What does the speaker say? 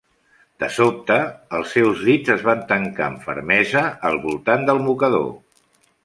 De sobte, els seus dits es van tancar amb fermesa al voltant del mocador.